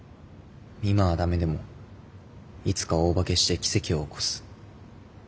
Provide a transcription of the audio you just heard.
今はダメでもいつか大化けして奇跡を起こす。